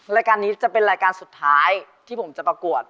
รายการนี้จะเป็นรายการสุดท้ายที่ผมจะประกวด